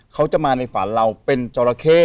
เขาจะมาในฝันเราเป็นจราเข้